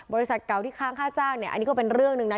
บริษัทเก่าที่ค้างค่าจ้างเนี่ยอันนี้ก็เป็นเรื่องหนึ่งนะ